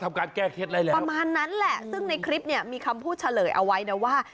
ประมาณนั้นแหละซึ่งในคลิปมีคำพูดเฉลยเอาไว้ว่า